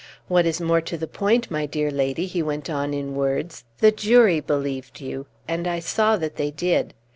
"What is more to the point, my dear lady," he went on in words, "the jury believed you, and I saw that they did.